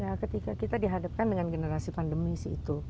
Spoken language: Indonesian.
ya ketika kita dihadapkan dengan generasi pandemi sih itu